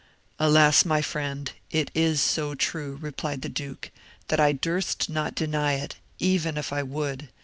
"Alas, my friend, it is so true," replied the duke, "that I durst not deny it, even if I would.